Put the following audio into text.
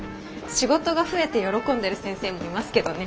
仕事が増えて喜んでる先生もいますけどね。